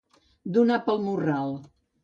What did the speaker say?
Donar pel morral.